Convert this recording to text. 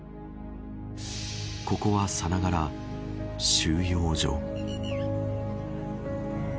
ここは、さながら収容所。